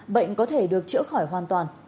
bệnh có thể được chữa khỏi hoàn toàn